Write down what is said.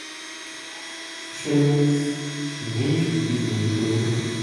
Chelan's main street is named for Woodin.